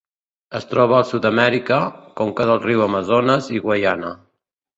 Es troba a Sud-amèrica: conca del riu Amazones i Guaiana.